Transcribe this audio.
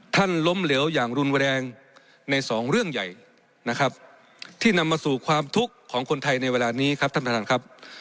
ล้มเหลวอย่างรุนแรงในสองเรื่องใหญ่นะครับที่นำมาสู่ความทุกข์ของคนไทยในเวลานี้ครับท่านประธานครับ